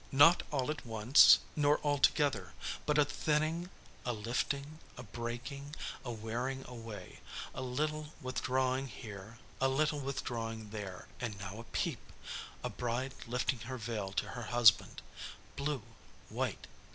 Not all at once, nor all together, but a thinning, a lifting, a breaking, a wearing away; a little withdrawing here, a little withdrawing there; and now a peep, and now a peep; a bride lifting her veil to her husband! Blue! White!